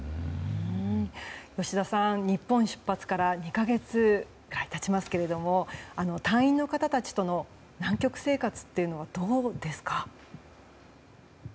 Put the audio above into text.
吉田さん、日本出発から２か月が経ちますけど隊員の方たちとの南極生活はどうですか？